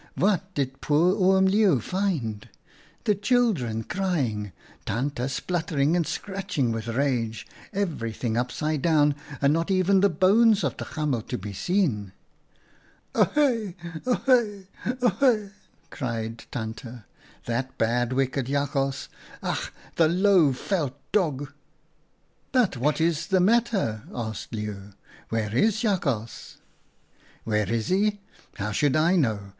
What did poor Oom Leeuw find ? The children crying, Tante spluttering and scratching with rage, every thing upside down, and not even the bones of the hamel to be seen. 18 OUTA KAREL'S STORIES <"Oh6! oh6! oh6!' cried Tante. 'The bad, wicked Jakhals ! Ach, the low, veld dog!' "' But what is the matter?' asked Leeuw. 'Where is Jakhals?' "* Where is he ? How should I know